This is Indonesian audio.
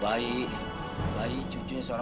belum lagi grup kerja